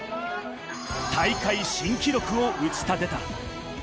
大会新記録を打ち立てた。